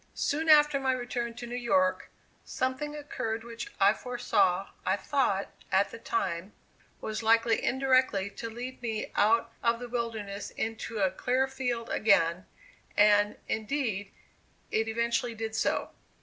Soon after my return to New York, something occurred which I foresaw, I thought, at the time, was likely indirectly to lead me out of the wilderness into a clear field again, and, indeed, it eventually did so.